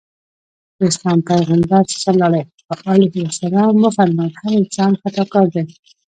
د اسلام پيغمبر ص وفرمایل هر انسان خطاکار دی.